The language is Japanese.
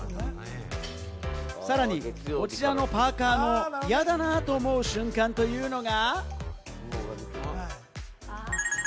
さらに、こちらのパーカのやだなーと思う瞬間というのが。